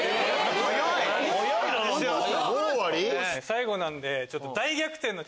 最後なんで。